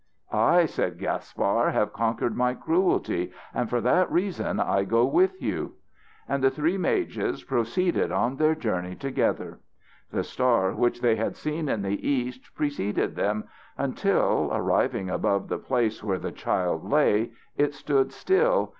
"I," said Gaspar, "have conquered my cruelty, and for that reason I go with you." And the three mages proceeded on their journey together. The star which they had seen in the East preceded them until, arriving above the place where the child lay, it stood still.